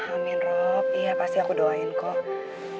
amin rab iya pasti aku doain kok